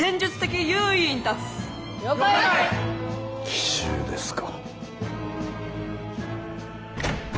奇襲ですか。